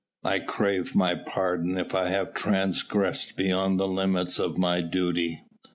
"I crave thy pardon if I have transgressed beyond the limits of my duty."